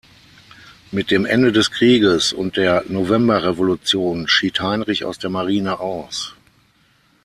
Mit dem Ende des Krieges und der Novemberrevolution schied Heinrich aus der Marine aus.